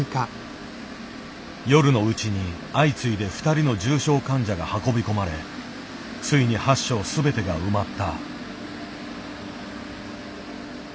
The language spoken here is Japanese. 夜のうちに相次いで２人の重症患者が運び込まれついに８床全てが埋まった。